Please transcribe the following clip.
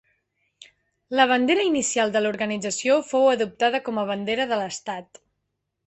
La bandera inicial de l'organització fou adoptada com a bandera de l'estat.